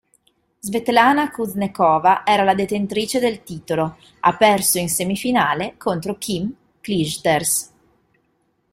Svetlana Kuznecova era la detentrice del titolo, ha perso in semifinale contro Kim Clijsters.